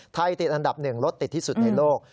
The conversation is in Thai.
ไทยติดอันดับหนึ่งรถติดที่สุดในโลก